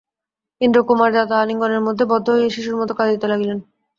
ইন্দ্রকুমার দাদার আলিঙ্গনের মধ্যে বদ্ধ হইয়া শিশুর মতো কাঁদিতে লাগিলেন।